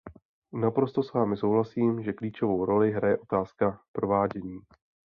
Naprosto s vámi souhlasím, že klíčovou roli hraje otázka provádění.